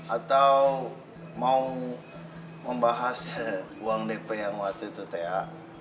atau mau membahas uang dp yang waktu itu ta